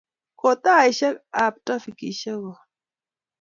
Ko taishek ab trafikishek, ol